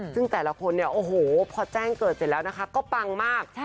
ซึ่งแต่ละคนเนี่ยโอ้โหพอแจ้งเกิดเสร็จแล้วนะคะก็ปังมาก